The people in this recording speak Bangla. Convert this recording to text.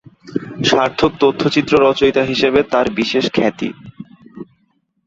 সার্থক তথ্যচিত্র রচয়িতা হিসাবে তাঁর বিশেষ খ্যাতি।